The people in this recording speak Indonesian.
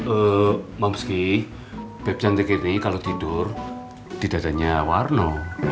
eee mamski beb cantik ini kalau tidur di dadanya warno